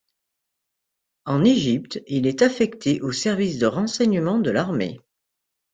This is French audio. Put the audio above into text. En Égypte, il est affecté aux services de renseignement de l'armée.